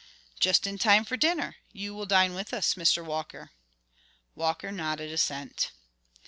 "Just in time for dinner; you will dine with us, Mr. Walker." Walker nodded assent.